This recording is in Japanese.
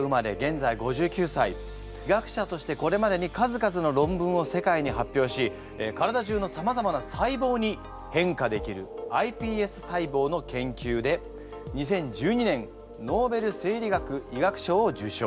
医学者としてこれまでに数々の論文を世界に発表し体じゅうのさまざまな細胞に変化できるｉＰＳ細胞の研究で２０１２年ノーベル生理学・医学賞を受賞。